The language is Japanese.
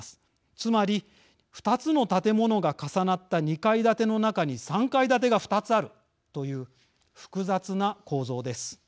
つまり、２つの建物が重なった２階建ての中に３階建てが２つあるという複雑な構造です。